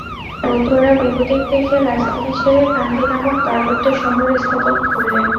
বৌদ্ধরা বেগতিক দেখে রাজধানী ছেড়ে, কান্দি নামক পার্বত্য শহর স্থাপন করলে।